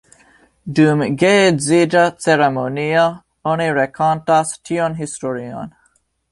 Dum geedziĝa ceremonio, oni rakontas tiun historion.